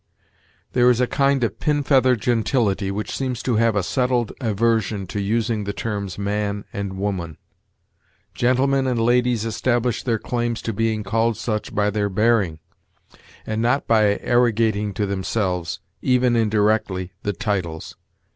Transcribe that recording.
There is a kind of pin feather gentility which seems to have a settled aversion to using the terms man and woman. Gentlemen and ladies establish their claims to being called such by their bearing, and not by arrogating to themselves, even indirectly, the titles.